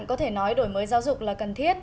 có thể nói đổi mới giáo dục là cần thiết